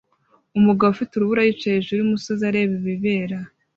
Umugabo ufite urubura yicaye hejuru yumusozi areba ibibera